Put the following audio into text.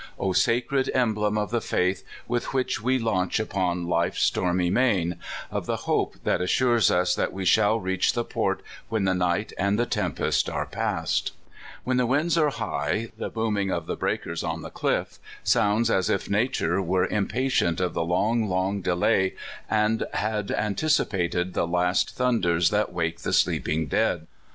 O sacred emblem of the faith with which we launch upon life's stormy main of the hope that assures that we shall reach (82) LONE MOUNTAIN. 83 the port when the night and the tempest are past! When the winds are high, the booming of the breakers on the cliff sounds as if nature were im patient of the long, long delay, and had antici pated the last thunders that wake the sleeping dead.